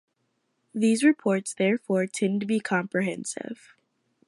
These reports therefore tend to be comprehensive.